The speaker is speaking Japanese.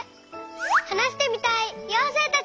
はなしてみたいようせいたち！